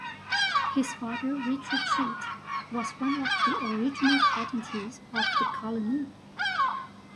His father Richard Treat was one of the original patentees of the colony.